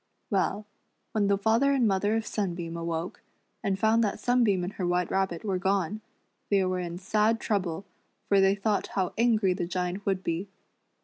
Well, when the father and mother of Sunbeam awoke, and found that Sunbeam and her White Rabbit were gone, they were in sad trouble, for they thought how angry the Giant would be.